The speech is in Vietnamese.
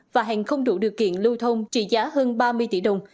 và hàng không đủ điều kiện lưu thông trị giá hơn ba mươi tỷ đồng